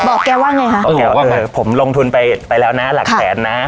บอกแกว่าไงฮะเออบอกแกว่าไงเออผมลงทุนไปไปแล้วนะหลักแสนนะ